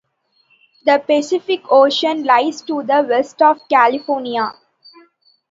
The Pacific Ocean lies to the west of California.